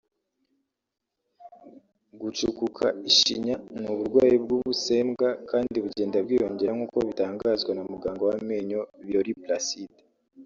Gucukuka ishinya ni uburwayi bw’ubusembwa kandi bugenda bwiyongera nk’uko bitangazwa na Muganga w’amenyo Birori Placide